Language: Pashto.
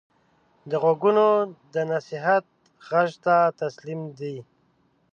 غوږونه د نصیحت غږ ته تسلیم دي